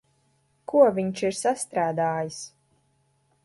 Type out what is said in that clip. Ko viņš ir sastrādājis?